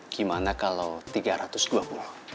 gimana kalau rp tiga ratus dua puluh